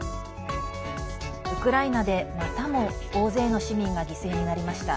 ウクライナで、またも大勢の市民が犠牲になりました。